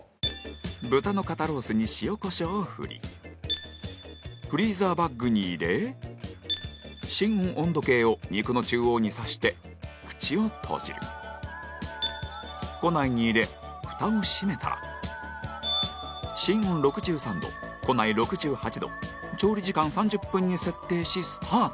豚の肩ロースに塩コショウを振りフリーザーバッグに入れ芯温温度計を肉の中央に刺して口を閉じる庫内に入れ、蓋を閉めたら芯温６３度、庫内６８度調理時間３０分に設定しスタート